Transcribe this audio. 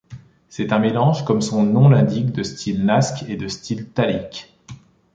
C'est un mélange, comme son nom l'indique, du style naskh et du style ta'liq.